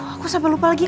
aduh aku sampai lupa lagi